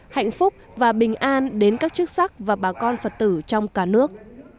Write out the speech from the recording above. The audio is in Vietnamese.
hạnh phúc và bình an đến các chức sắc và bà con phật tử trong cả nước